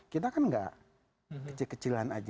kita kan nggak kecil kecilan aja